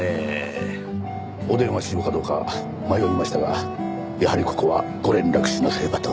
お電話しようかどうか迷いましたがやはりここはご連絡しなければと。